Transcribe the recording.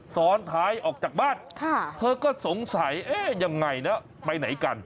สอนถ่ายออกจากบ้านถ้าเธอก็สงสัยอย่างไงนะไปไหนกัน